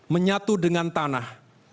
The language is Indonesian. menyatu dengan tanah